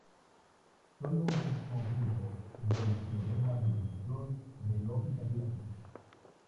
Sólo un subconjunto de los teoremas del control de lógica clásico.